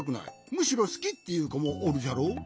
むしろすき！」っていうこもおるじゃろ？